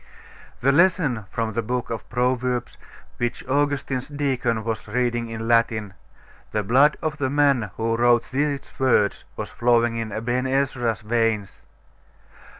That lesson from the book of Proverbs, which Augustine's deacon was reading in Latin the blood of the man who wrote these words was flowing in Aben Ezra's veins....